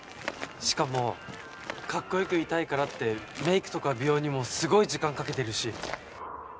しかもかっこよくいたいからってメイクとか美容にもすごい時間かけてるし。